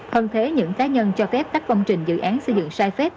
hơn thế những cá nhân cho phép các công trình dự án xây dựng sai phép